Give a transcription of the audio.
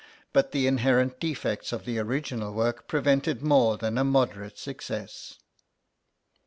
But the inherent defects of the original work prevented more than a moderate success.